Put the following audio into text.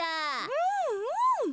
うんうん。